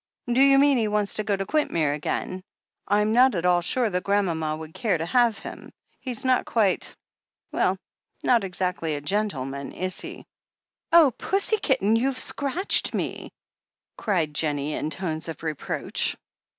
"Do you mean he wants to go to Quintmere again ? I'm not at all sure that grandmama would care to have him. He's not quite — ^well, not exactly a gentleman, is he?" "Oh, Pussy kitten, you've scratched me!" cried Jennie, in tones of reproach.